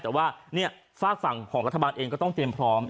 แต่ว่าฝากฝั่งของรัฐบาลเองก็ต้องเตรียมพร้อม